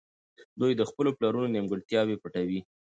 دوی د خپلو پلرونو نيمګړتياوې پټوي.